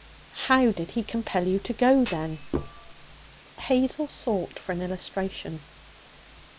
'How did he compel you to go, then?' Hazel sought for an illustration.